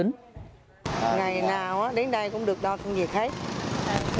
ngày nào đến đây cũng được đo thăng nhiệt hết